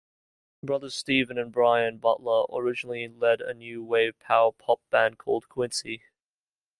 Brothers Stephen and Brian Butler originally led a new wave-power pop band called Quincy.